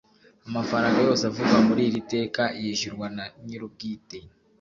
Amafaranga yose avugwa muri iri teka yishyurwa na nyir’ubwite